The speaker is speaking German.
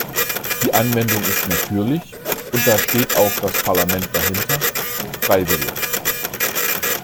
Die Anwendung ist natürlich und da steht auch das Parlament dahinter freiwillig.